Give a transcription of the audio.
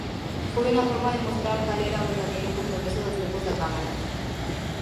Foi unha forma de mostrar cal era o verdadeiro compromiso dos grupos da Cámara.